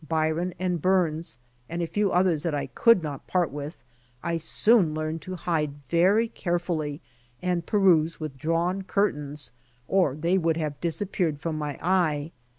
Byron, and Burns and a few others that I could not part with I soon '4(5 BY ox TEAM TO CALIFORNIA learned to hide very carefully and peruse with drawn curtains, or they would have disappeared from my eye.